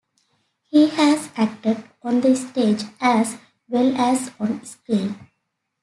He has acted on the stage as well as on screen.